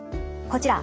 こちら。